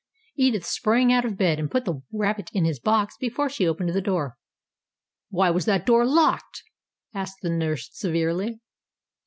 Edith sprang out of bed, and put the rabbit in his box before she opened the door. "Why was that door locked?" asked the nurse severely.